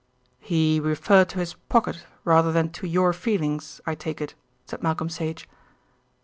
"He referred to his pocket rather than to your feelings, I take it?" said Malcolm Sage.